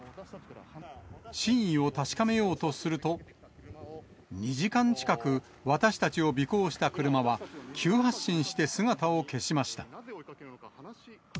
真意を確かめようとすると、２時間近く私たちを尾行した車は、急発進して姿を消しました。